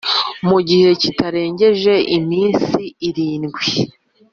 Mu gihe kitarengeje iminsi irindwi